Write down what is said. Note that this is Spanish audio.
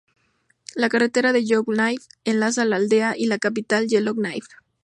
La Carretera de Yellowknife enlaza la aldea a la capital, Yellowknife.